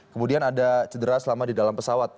kemudian ada cedera selama di dalam pesawat